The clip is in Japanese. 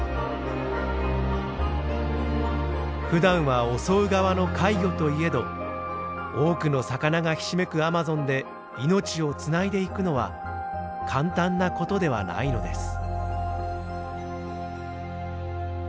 ふだんは襲う側の怪魚といえど多くの魚がひしめくアマゾンで命をつないでいくのは簡単な事ではないのです。